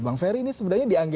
bang ferry ini sebenarnya dianggap